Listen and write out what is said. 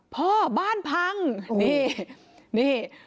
พ่อบ้านพังนี่นี่